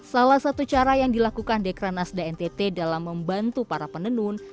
salah satu cara yang dilakukan dekran asdntt dalam membantu para penendun